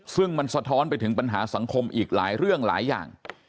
ซึ่งมันสะท้อนไปถึงปัญหาสังคมอีกหลายเรื่องหลายอย่าง